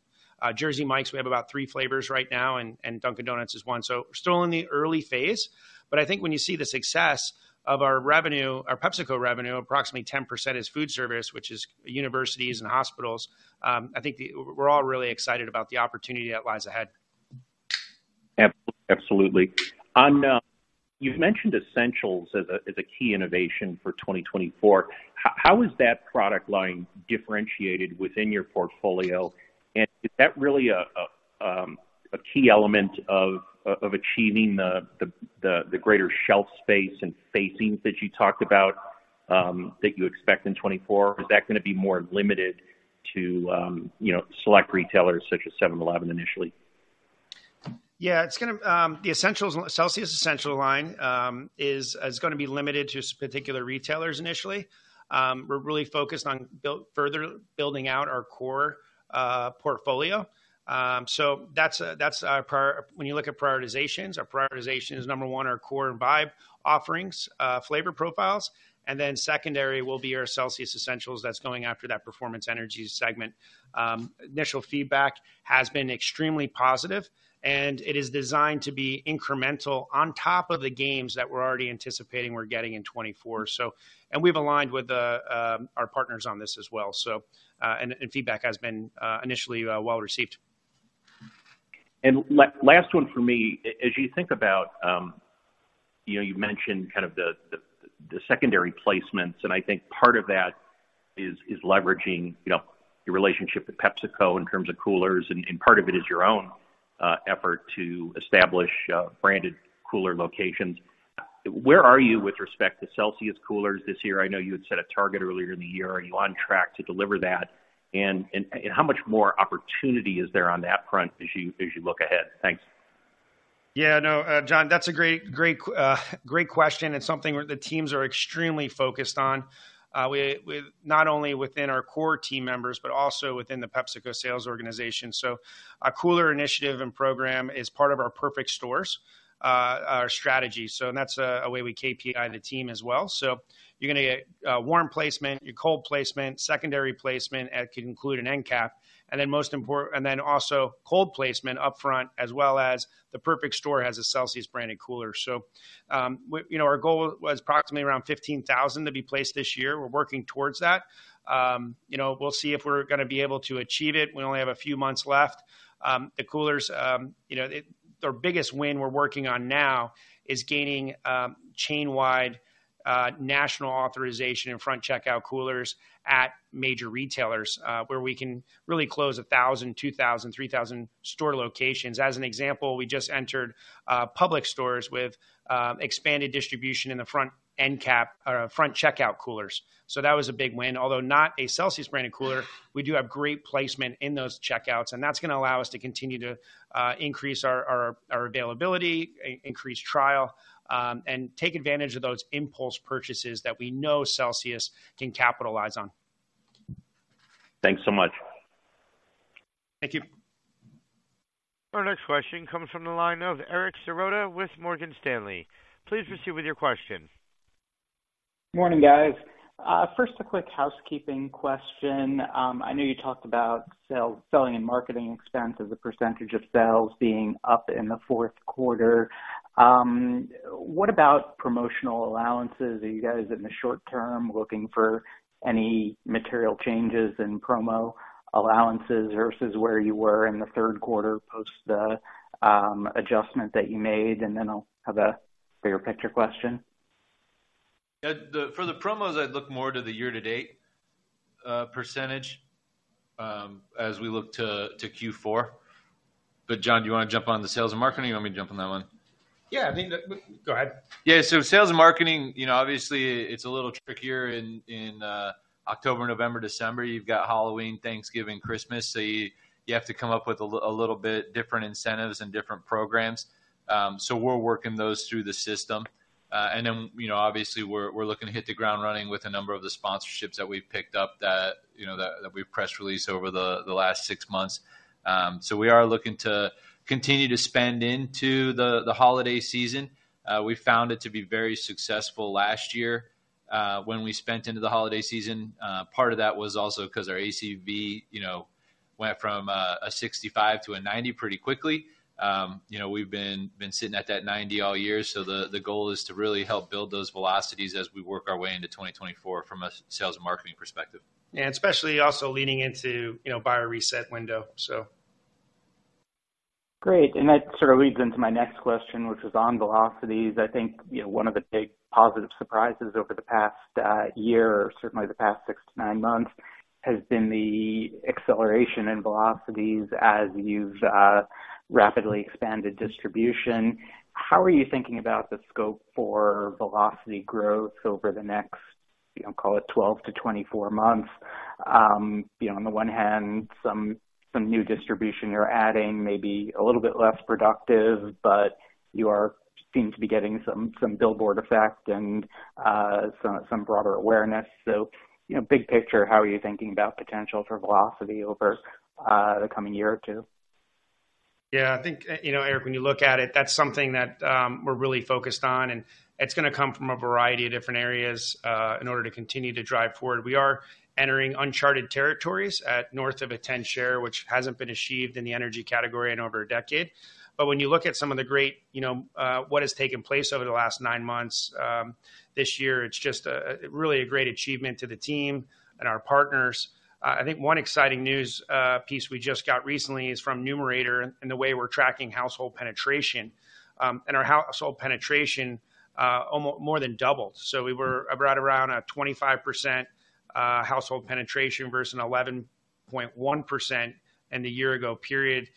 Jersey Mike's, we have about three flavors right now, and Dunkin' Donuts is one. So we're still in the early phase, but I think when you see the success of our revenue, our PepsiCo revenue, approximately 10% is food service, which is universities and hospitals. I think we're all really excited about the opportunity that lies ahead. Absolutely. On, you've mentioned essentials as a key innovation for 2024. How is that product line differentiated within your portfolio? And is that really a key element of achieving the greater shelf space and facings that you talked about that you expect in 2024? Or is that gonna be more limited to, you know, select retailers such as 7-Eleven initially? Yeah, it's gonna, the essentials, Celsius Essentials line, is gonna be limited to particular retailers initially. We're really focused on further building out our core portfolio. So that's a, that's our priority when you look at prioritizations, our prioritization is, number one, our core and Vibe offerings, flavor profiles, and then secondary will be our Celsius Essentials that's going after that performance energy segment. Initial feedback has been extremely positive, and it is designed to be incremental on top of the gains that we're already anticipating we're getting in 2024. And we've aligned with our partners on this as well, so, and, and feedback has been initially well-received. Last one for me. As you think about, you know, you mentioned kind of the secondary placements, and I think part of that is leveraging, you know, your relationship with PepsiCo in terms of coolers, and part of it is your own effort to establish branded cooler locations. Where are you with respect to Celsius coolers this year? I know you had set a target earlier in the year. Are you on track to deliver that? And how much more opportunity is there on that front as you look ahead? Thanks. Yeah, no, John, that's a great, great question and something where the teams are extremely focused on. We not only within our core team members, but also within the PepsiCo sales organization. So our cooler initiative and program is part of our perfect stores, our strategy. So and that's a way we KPI the team as well. So you're gonna get, warm placement, your cold placement, secondary placement at, can include an end cap, and then most important and then also cold placement upfront, as well as the perfect store has a Celsius branded cooler. So, you know, our goal was approximately around 15,000 to be placed this year. We're working towards that. You know, we'll see if we're gonna be able to achieve it. We only have a few months left. The coolers, you know, the biggest win we're working on now is gaining chain-wide national authorization and front checkout coolers at major retailers, where we can really close 1,000, 2,000, 3,000 store locations. As an example, we just entered Publix stores with expanded distribution in the front end cap front checkout coolers. So that was a big win. Although not a Celsius branded cooler, we do have great placement in those checkouts, and that's gonna allow us to continue to increase our availability, increase trial, and take advantage of those impulse purchases that we know Celsius can capitalize on. Thanks so much. Thank you. Our next question comes from the line of Eric Serotta with Morgan Stanley. Please proceed with your question. Morning, guys. First, a quick housekeeping question. I know you talked about selling and marketing expense as a percentage of sales being up in the fourth quarter. What about promotional allowances? Are you guys, in the short term, looking for any material changes in promo allowances versus where you were in the third quarter, post the adjustment that you made? And then I'll have a bigger picture question. Yeah, for the promos, I'd look more to the year-to-date percentage, as we look to Q4. But, John, do you want to jump on the sales and marketing, or you want me to jump on that one? Yeah, I think that... Go ahead. Yeah, so sales and marketing, you know, obviously, it's a little trickier in October, November, December. You've got Halloween, Thanksgiving, Christmas, so you have to come up with a little bit different incentives and different programs. So we're working those through the system. And then, you know, obviously, we're looking to hit the ground running with a number of the sponsorships that we've picked up that, you know, that we've press release over the last six months. So we are looking to continue to spend into the holiday season. We found it to be very successful last year, when we spent into the holiday season. Part of that was also 'cause our ACV, you know, went from a 65 to a 90 pretty quickly. You know, we've been sitting at that 90 all year, so the goal is to really help build those velocities as we work our way into 2024 from a sales and marketing perspective. And especially also leaning into, you know, buyer reset window, so. Great, and that sort of leads into my next question, which is on velocities. I think, you know, one of the big positive surprises over the past year, or certainly the past 6-9 months, has been the acceleration in velocities as you've rapidly expanded distribution. How are you thinking about the scope for velocity growth over the next, you know, call it 12-24 months? You know, on the one hand, some new distribution you're adding may be a little bit less productive, but you seem to be getting some billboard effect and some broader awareness. So, you know, big picture, how are you thinking about potential for velocity over the coming year or two? Yeah, I think, you know, Eric, when you look at it, that's something that, we're really focused on, and it's gonna come from a variety of different areas, in order to continue to drive forward. We are entering uncharted territories at north of a 10% share, which hasn't been achieved in the energy category in over a decade. But when you look at some of the great, you know, what has taken place over the last nine months, this year, it's just a, really a great achievement to the team and our partners. I think one exciting news, piece we just got recently is from Numerator and the way we're tracking household penetration. And our household penetration, more than doubled. So we were right around a 25%, household penetration versus an 11.1% in the year ago period,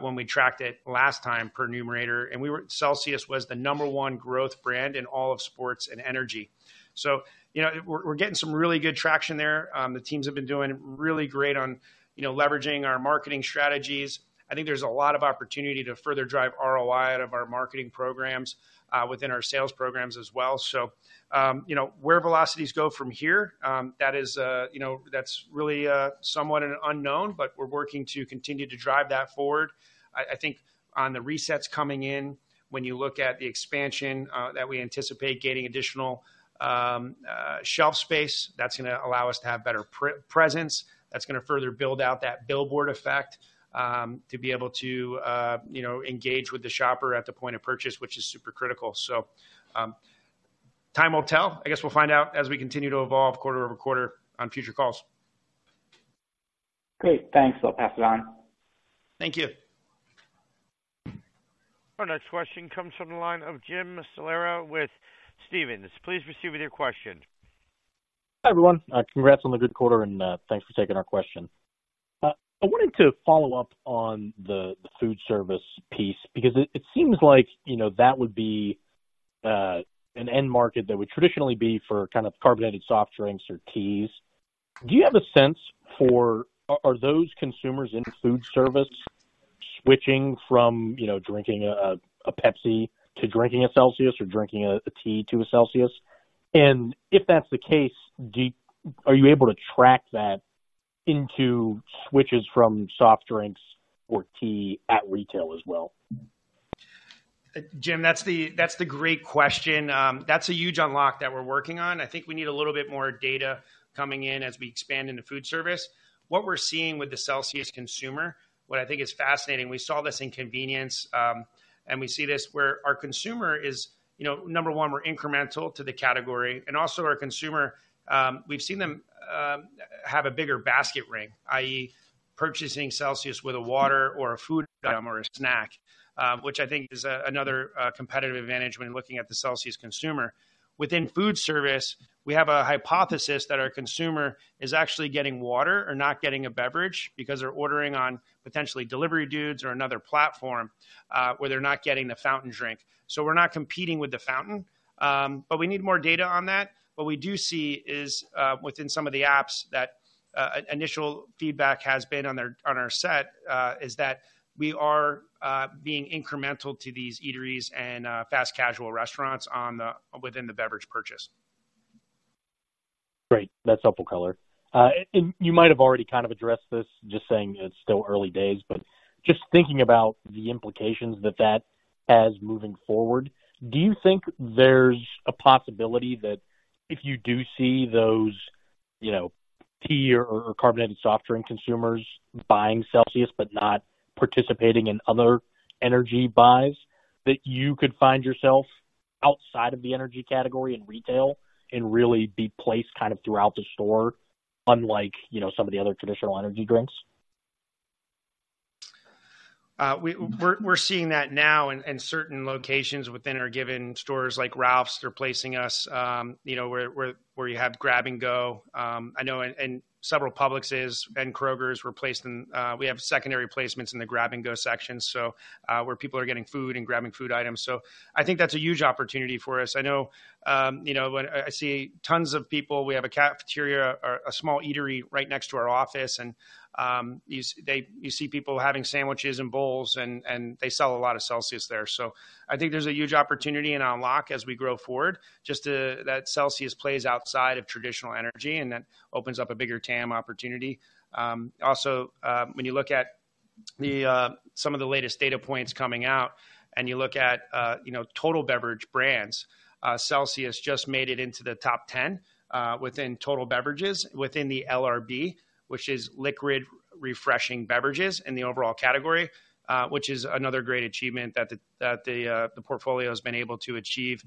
when we tracked it last time per Numerator, and Celsius was the number one growth brand in all of sports and energy. So, you know, we're getting some really good traction there. The teams have been doing really great on, you know, leveraging our marketing strategies. I think there's a lot of opportunity to further drive ROI out of our marketing programs, within our sales programs as well. So, you know, where velocities go from here? That is, you know, that's really, somewhat an unknown, but we're working to continue to drive that forward. I think on the resets coming in, when you look at the expansion, that we anticipate gaining additional shelf space, that's gonna allow us to have better presence. That's gonna further build out that billboard effect, to be able to, you know, engage with the shopper at the point of purchase, which is super critical. So, time will tell. I guess we'll find out as we continue to evolve quarter over quarter on future calls. Great. Thanks. I'll pass it on. Thank you. Our next question comes from the line of Jim Salera with Stephens. Please proceed with your question. Hi, everyone. Congrats on the good quarter, and thanks for taking our question. I wanted to follow up on the food service piece, because it seems like, you know, that would be an end market that would traditionally be for kind of carbonated soft drinks or teas. Do you have a sense for... Are those consumers in food service switching from, you know, drinking a Pepsi to drinking a Celsius or drinking a tea to a Celsius? And if that's the case, are you able to track that into switches from soft drinks or tea at retail as well? Jim, that's the great question. That's a huge unlock that we're working on. I think we need a little bit more data coming in as we expand into food service. What we're seeing with the Celsius consumer, what I think is fascinating, we saw this in convenience, and we see this where our consumer is, you know, number one, we're incremental to the category, and also our consumer, we've seen them have a bigger basket ring, i.e., purchasing Celsius with a water or a food item or a snack, which I think is another competitive advantage when looking at the Celsius consumer. Within food service, we have a hypothesis that our consumer is actually getting water or not getting a beverage, because they're ordering on potentially Delivery Dudes or another platform, where they're not getting the fountain drink. We're not competing with the fountain, but we need more data on that. What we do see is, within some of the apps that initial feedback has been on our set, is that we are being incremental to these eateries and fast casual restaurants within the beverage purchase. Great, that's helpful color. And you might have already kind of addressed this, just saying it's still early days, but just thinking about the implications that that has moving forward, do you think there's a possibility that if you do see those, you know, tea or, or carbonated soft drink consumers buying Celsius but not participating in other energy buys, that you could find yourself outside of the energy category in retail and really be placed kind of throughout the store, unlike, you know, some of the other traditional energy drinks? We're seeing that now in certain locations within our given stores, like Ralphs, they're placing us, you know, where you have grab and go. I know in several Publixes and Krogers, we're placed in, we have secondary placements in the grab-and-go section, so where people are getting food and grabbing food items. So I think that's a huge opportunity for us. You know, when I see tons of people, we have a cafeteria or a small eatery right next to our office, and you see people having sandwiches and bowls, and they sell a lot of Celsius there. So I think there's a huge opportunity and unlock as we grow forward, just that Celsius plays outside of traditional energy, and that opens up a bigger TAM opportunity. Also, when you look at some of the latest data points coming out, and you look at, you know, total beverage brands, Celsius just made it into the top 10 within total beverages, within the LRB, which is liquid refreshing beverages in the overall category, which is another great achievement that the portfolio has been able to achieve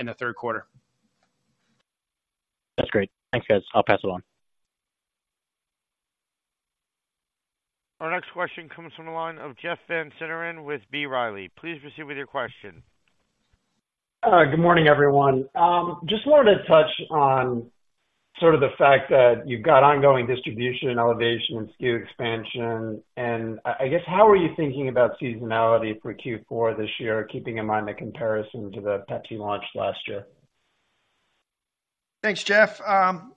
in the third quarter. That's great. Thanks, guys. I'll pass it on. Our next question comes from the line of Jeff Van Sinderen with B. Riley. Please proceed with your question. Good morning, everyone. Just wanted to touch on sort of the fact that you've got ongoing distribution and elevation and SKU expansion, and I guess, how are you thinking about seasonality for Q4 this year, keeping in mind the comparison to the Pepsi launch last year? Thanks, Jeff.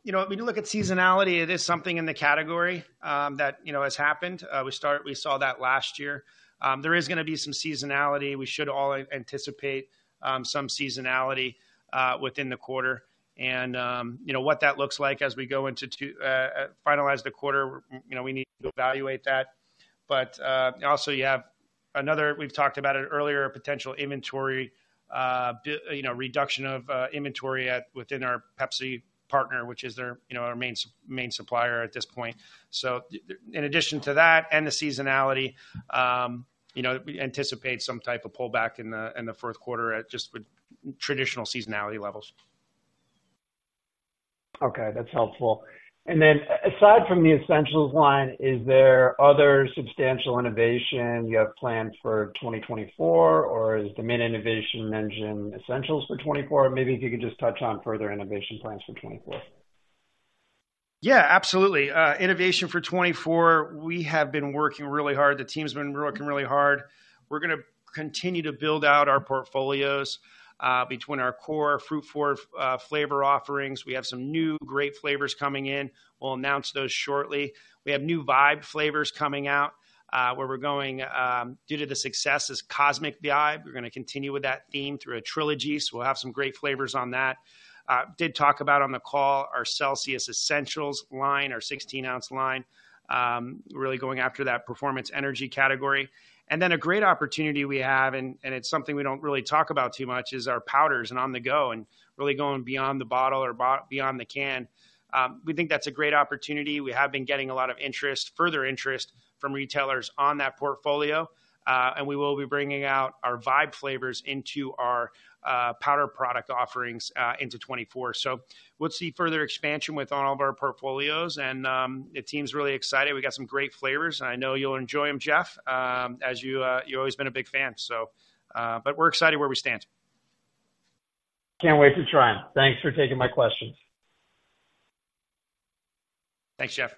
You know, when you look at seasonality, it is something in the category that you know has happened. We saw that last year. There is gonna be some seasonality. We should all anticipate some seasonality within the quarter. And you know, what that looks like as we go into two finalize the quarter, you know, we need to evaluate that. But also, you have another. We've talked about it earlier, potential inventory you know reduction of inventory within our Pepsi partner, which is their you know our main supplier at this point. So in addition to that and the seasonality, you know, we anticipate some type of pullback in the fourth quarter that's just with traditional seasonality levels. Okay, that's helpful. And then, aside from the Essentials line, is there other substantial innovation you have planned for 2024, or is the main innovation mentioned Essentials for 2024? Maybe if you could just touch on further innovation plans for 2024. Yeah, absolutely. Innovation for 2024, we have been working really hard. The team's been working really hard. We're gonna continue to build out our portfolios, between our core Fruit Punch flavor offerings. We have some new great flavors coming in. We'll announce those shortly. We have new VIBE flavors coming out, where we're going, due to the success is Cosmic Vibe. We're gonna continue with that theme through a trilogy, so we'll have some great flavors on that. Did talk about on the call, our Celsius Essentials line, our 16-ounce line, really going after that performance energy category. And then a great opportunity we have, and it's something we don't really talk about too much, is our powders and on-the-go and really going beyond the bottle or beyond the can. We think that's a great opportunity. We have been getting a lot of interest, further interest from retailers on that portfolio, and we will be bringing out our Vibe flavors into our, powder product offerings, into 2024. So we'll see further expansion with all of our portfolios, and, the team's really excited. We got some great flavors, and I know you'll enjoy them, Jeff, as you, you've always been a big fan. So, but we're excited where we stand. Can't wait to try them. Thanks for taking my questions. Thanks, Jeff.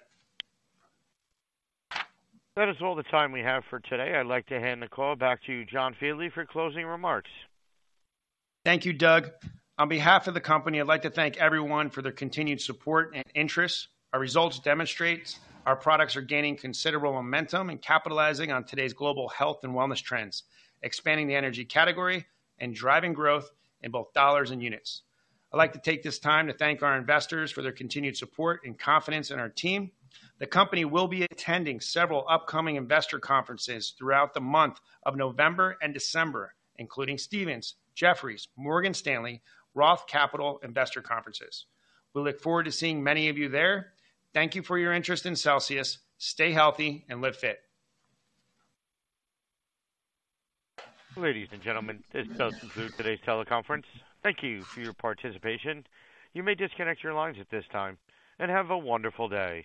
That is all the time we have for today. I'd like to hand the call back to John Fieldly for closing remarks. Thank you, Doug. On behalf of the company, I'd like to thank everyone for their continued support and interest. Our results demonstrate our products are gaining considerable momentum and capitalizing on today's global health and wellness trends, expanding the energy category, and driving growth in both dollars and units. I'd like to take this time to thank our investors for their continued support and confidence in our team. The company will be attending several upcoming investor conferences throughout the month of November and December, including Stephens, Jefferies, Morgan Stanley, Roth Capital investor conferences. We look forward to seeing many of you there. Thank you for your interest in Celsius. Stay healthy and live fit. Ladies and gentlemen, this does conclude today's teleconference. Thank you for your participation. You may disconnect your lines at this time, and have a wonderful day.